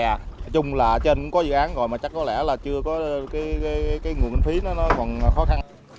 nói chung là trên cũng có dự án rồi mà chắc có lẽ là chưa có cái nguồn kinh phí nó còn khó khăn